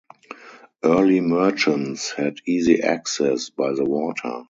Early merchants had easy access by the water.